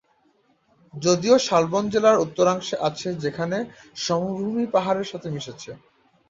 যদিও শালবন জেলার উত্তরাংশে আছে যেখানে সমভূমি পাহাড়ের সাথে মিশেছে।